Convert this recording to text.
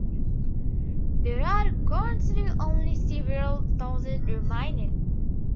There are currently only several thousand remaining.